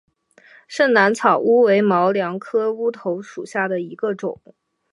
滇南草乌为毛茛科乌头属下的一个种。